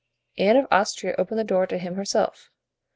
Anne of Austria opened the door to him herself.